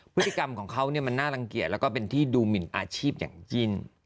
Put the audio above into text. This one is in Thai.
พฤติกรรมของเขามันน่ารังเกียจแล้วก็เป็นที่ดูหมินอาชีพอย่างยิ่ง